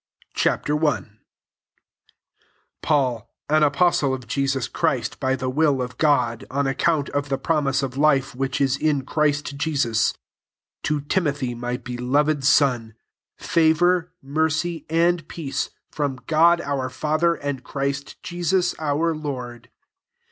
CHAP. L 1 PAUL, an apostle of Jesus Christ by the will of God, on account of the promise of life which is in Christ Jesiis, 2 to Timothy my bdloved son, fa vour, mercy, and peace from God our Father, and Christ Je sus our Lord.